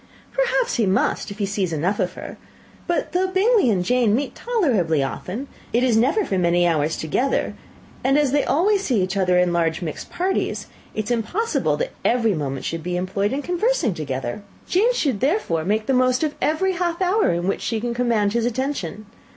"Perhaps he must, if he sees enough of her. But though Bingley and Jane meet tolerably often, it is never for many hours together; and as they always see each other in large mixed parties, it is impossible that every moment should be employed in conversing together. Jane should therefore make the most of every half hour in which she can command his attention.